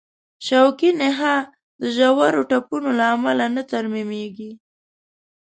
شوکي نخاع د ژورو ټپونو له امله نه ترمیمېږي.